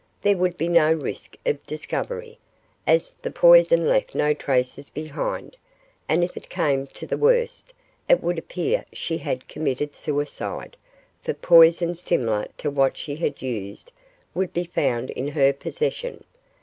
There would be no risk of discovery, as the poison left no traces behind, and if it came to the worst, it would appear she had committed suicide, for poison similar to what she had used would be found in her possession.